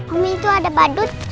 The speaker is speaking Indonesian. omi itu ada badut